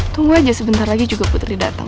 tunggu aja sebentar lagi juga putri datang